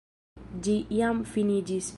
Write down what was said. Ĝi jam finiĝis.